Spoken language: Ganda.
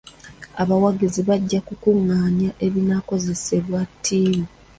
Abawagizi bajja kukungaanya ebinaakozesebwa ttiimu.